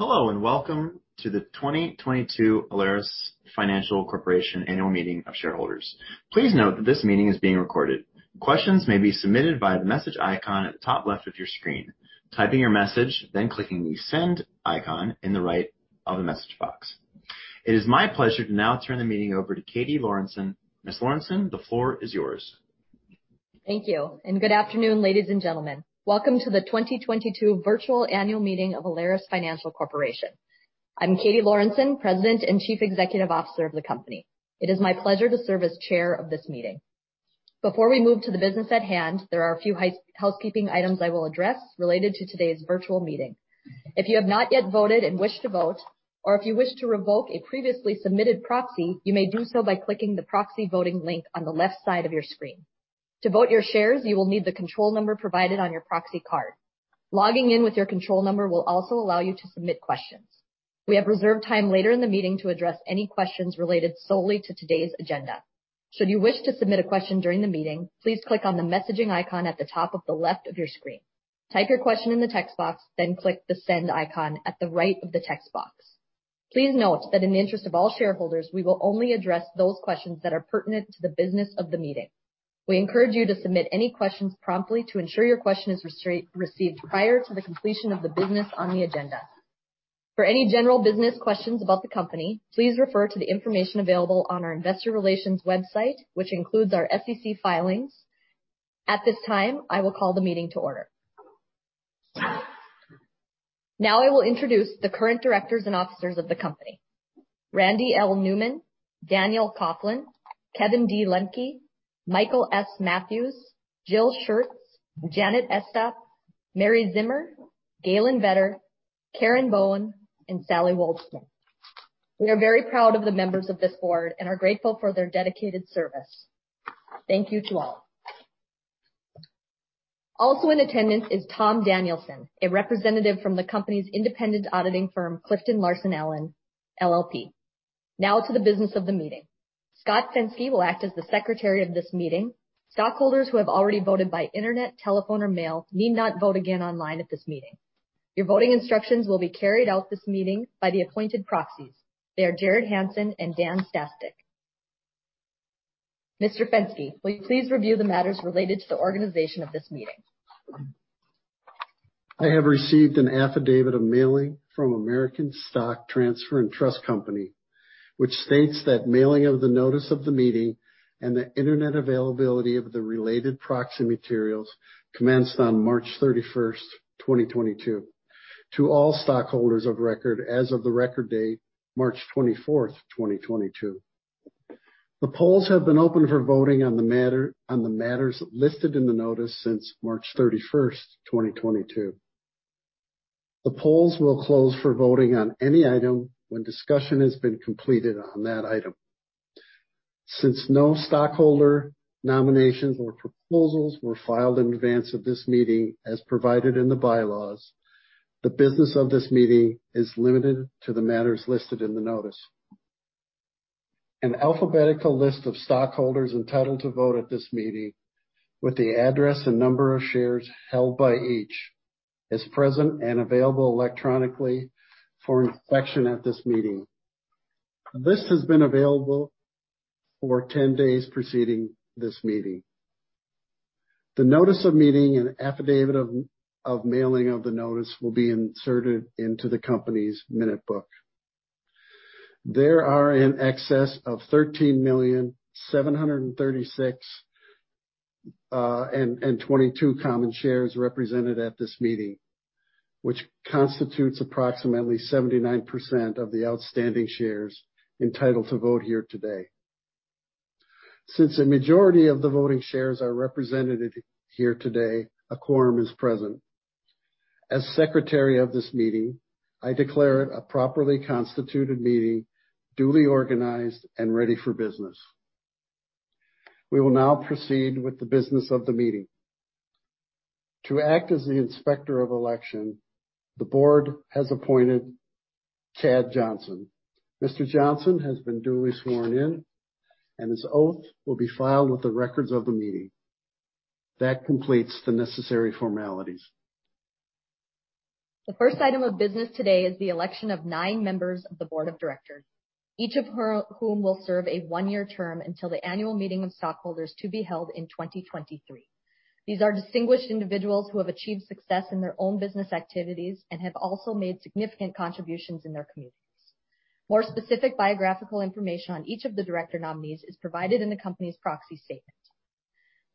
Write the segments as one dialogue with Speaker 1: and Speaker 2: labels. Speaker 1: Hello, and welcome to the 2022 Alerus Financial Corporation Annual Meeting of Shareholders. Please note that this meeting is being recorded. Questions may be submitted via the message icon at the top left of your screen. Type in your message, then clicking the send icon in the right of the message box. It is my pleasure to now turn the meeting over to Katie Lorenson. Ms. Lorenson, the floor is yours.
Speaker 2: Thank you, and good afternoon, ladies and gentlemen. Welcome to the 2022 virtual annual meeting of Alerus Financial Corporation. I'm Katie A. Lorenson, President and Chief Executive Officer of the company. It is my pleasure to serve as chair of this meeting. Before we move to the business at hand, there are a few housekeeping items I will address related to today's virtual meeting. If you have not yet voted and wish to vote, or if you wish to revoke a previously submitted proxy, you may do so by clicking the proxy voting link on the left side of your screen. To vote your shares, you will need the control number provided on your proxy card. Logging in with your control number will also allow you to submit questions. We have reserved time later in the meeting to address any questions related solely to today's agenda. Should you wish to submit a question during the meeting, please click on the messaging icon at the top of the left of your screen. Type your question in the text box, then click the send icon at the right of the text box. Please note that in the interest of all shareholders, we will only address those questions that are pertinent to the business of the meeting. We encourage you to submit any questions promptly to ensure your question is received prior to the completion of the business on the agenda. For any general business questions about the company, please refer to the information available on our investor relations website, which includes our SEC filings. At this time, I will call the meeting to order. Now I will introduce the current directors and officers of the company. Randy L. Newman, Daniel Coughlin, Kevin D. Lemke, Michael S. Mathews, Jill Schurtz, Janet Estep, Mary Zimmer, Galen Vetter, Karen Bohn, and Sally Waldron. We are very proud of the members of this board and are grateful for their dedicated service. Thank you to all. Also in attendance is Tom Danielson, a representative from the company's independent auditing firm, CliftonLarsonAllen LLP. Now to the business of the meeting. Scott Fenske will act as the secretary of this meeting. Stockholders who have already voted by internet, telephone or mail need not vote again online at this meeting. Your voting instructions will be carried out this meeting by the appointed proxies. They are Jared Hansen and Dan Stastic. Mr. Fenske, will you please review the matters related to the organization of this meeting?
Speaker 3: I have received an affidavit of mailing from American Stock Transfer & Trust Company, LLC, which states that mailing of the notice of the meeting and the internet availability of the related proxy materials commenced on March 31, 2022, to all stockholders of record as of the record date March 24, 2022. The polls have been open for voting on the matter, on the matters listed in the notice since March 31, 2022. The polls will close for voting on any item when discussion has been completed on that item. Since no stockholder nominations or proposals were filed in advance of this meeting as provided in the bylaws, the business of this meeting is limited to the matters listed in the notice. An alphabetical list of stockholders entitled to vote at this meeting with the address and number of shares held by each is present and available electronically for inspection at this meeting. This has been available for 10 days preceding this meeting. The notice of meeting and affidavit of mailing of the notice will be inserted into the company's minute book. There are in excess of 13,736,022 common shares represented at this meeting, which constitutes approximately 79% of the outstanding shares entitled to vote here today. Since a majority of the voting shares are represented here today, a quorum is present. As secretary of this meeting, I declare it a properly constituted meeting, duly organized and ready for business. We will now proceed with the business of the meeting. To act as the inspector of election, the board has appointed Chad Johnson. Mr. Johnson has been duly sworn in, and his oath will be filed with the records of the meeting. That completes the necessary formalities.
Speaker 2: The first item of business today is the election of nine members of the board of directors, each of whom will serve a one-year term until the annual meeting of stockholders to be held in 2023. These are distinguished individuals who have achieved success in their own business activities and have also made significant contributions in their communities. More specific biographical information on each of the director nominees is provided in the company's proxy statement.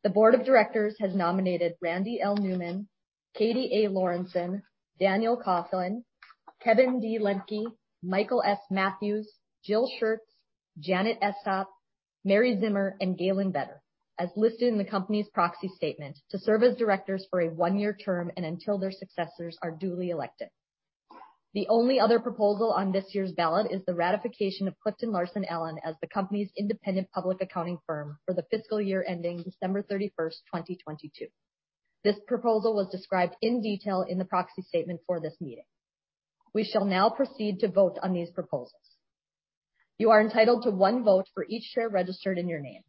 Speaker 2: The board of directors has nominated Randy L. Newman, Katie A. Lorenson, Daniel E. Coughlin, Kevin D. Lemke, Michael S. Mathews, Jill E. Schurtz, Janet O. Estep, Mary E. Zimmer, and Galen Vetter, as listed in the company's proxy statement, to serve as directors for a one-year term and until their successors are duly elected. The only other proposal on this year's ballot is the ratification of CliftonLarsonAllen as the company's independent public accounting firm for the fiscal year ending December 31, 2022. This proposal was described in detail in the proxy statement for this meeting. We shall now proceed to vote on these proposals. You are entitled to one vote for each share registered in your name.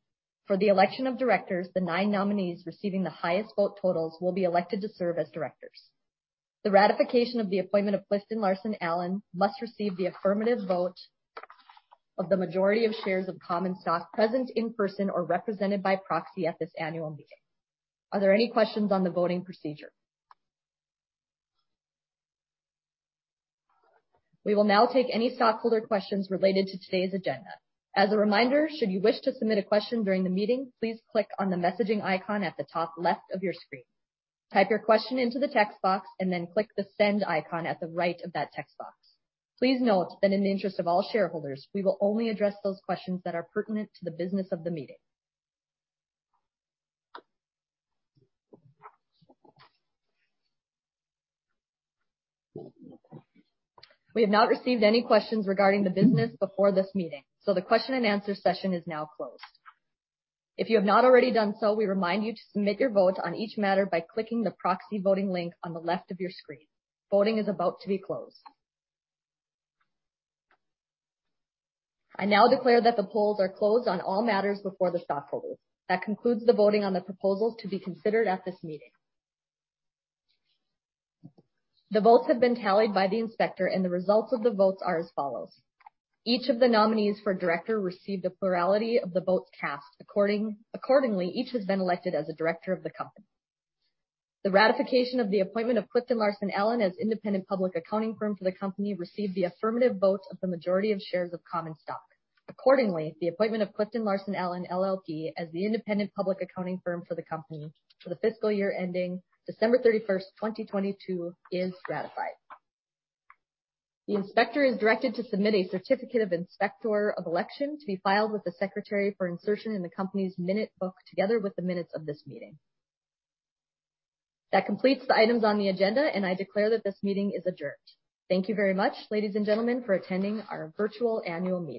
Speaker 2: For the election of directors, the nine nominees receiving the highest vote totals will be elected to serve as directors. The ratification of the appointment of CliftonLarsonAllen must receive the affirmative vote of the majority of shares of common stock present in person or represented by proxy at this annual meeting. Are there any questions on the voting procedure? We will now take any stockholder questions related to today's agenda. As a reminder, should you wish to submit a question during the meeting, please click on the messaging icon at the top left of your screen. Type your question into the text box and then click the send icon at the right of that text box. Please note that in the interest of all shareholders, we will only address those questions that are pertinent to the business of the meeting. We have not received any questions regarding the business before this meeting, so the question and answer session is now closed. If you have not already done so, we remind you to submit your vote on each matter by clicking the proxy voting link on the left of your screen. Voting is about to be closed. I now declare that the polls are closed on all matters before the stockholders. That concludes the voting on the proposals to be considered at this meeting. The votes have been tallied by the inspector and the results of the votes are as follows. Each of the nominees for director received a plurality of the votes cast. Accordingly, each has been elected as a director of the company. The ratification of the appointment of CliftonLarsonAllen as independent public accounting firm for the company received the affirmative votes of the majority of shares of common stock. Accordingly, the appointment of CliftonLarsonAllen LLP as the independent public accounting firm for the company for the fiscal year ending December 31, 2022 is ratified. The inspector is directed to submit a certificate of inspector of election to be filed with the Secretary for insertion in the company's minute book, together with the minutes of this meeting. That completes the items on the agenda, and I declare that this meeting is adjourned. Thank you very much, ladies and gentlemen, for attending our virtual annual meeting.